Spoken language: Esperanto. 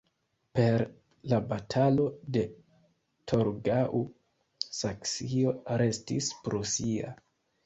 Per la Batalo de Torgau Saksio restis prusia.